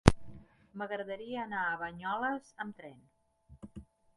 M'agradaria anar a Banyoles amb tren.